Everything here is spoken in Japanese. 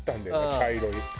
茶色い。